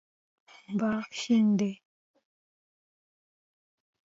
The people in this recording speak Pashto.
باغ شین دی